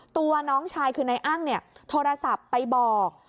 ตัวน้องชายคือนายอ้างเนี่ยโทรศัพท์ไปบอก